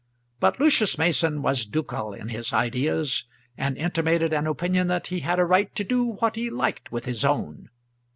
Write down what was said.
But Lucius Mason was ducal in his ideas, and intimated an opinion that he had a right to do what he liked with his own.